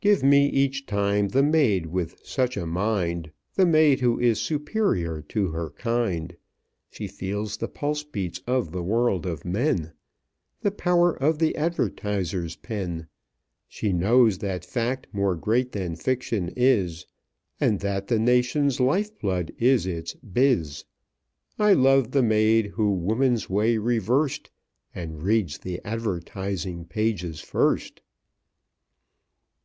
"Give me each time the maid with such a mind, The maid who is superior to her kind; She feels the pulse beats of the world of men, The power of the advertiser's pen; She knows that fact more great than fiction Is, And that the nation's life blood is its 'biz.' I love the maid who woman's way reversed And reads the advertising pages first!"